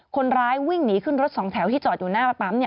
คนร้ายวิ่งหนีขึ้นรถสองแถวที่จอดอยู่หน้าปั๊ม